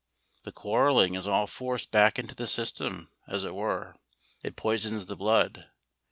The quarrelling is all forced back into the system, as it were; it poisons the blood.